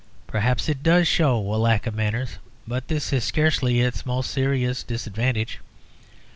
Perhaps it does show a lack of manners; but this is scarcely its most serious disadvantage.